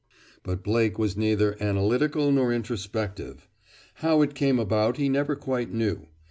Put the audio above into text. But Blake was neither analytical nor introspective. How it came about he never quite knew.